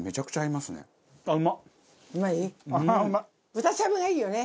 豚しゃぶがいいよね！